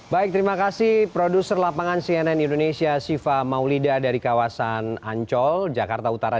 baik terima kasih produser lapangan cnn indonesia siva maulida dari kawasan ancol jakarta utara